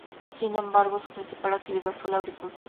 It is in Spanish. Sin embargo, su principal actividad fue la agricultura.